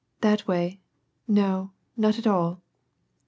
" That way, no, not at all."